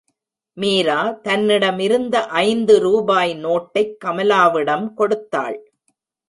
மீரா தன்னிடமிருந்த ஐந்து ரூபாய் நோட்டைக் கமலாவிடம் கொடுத்தாள்.